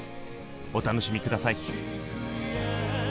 お楽しみ下さい。